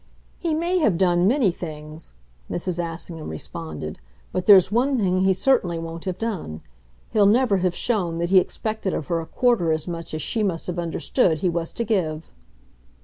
"He may have done many things," Mrs. Assingham responded; "but there's one thing he certainly won't have done. He'll never have shown that he expected of her a quarter as much as she must have understood he was to give."